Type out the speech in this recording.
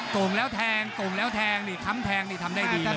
่งแล้วแทงโต่งแล้วแทงนี่ค้ำแทงนี่ทำได้ดี